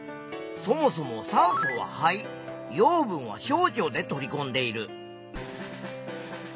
そもそも酸素は肺養分は小腸で取りこんでいる。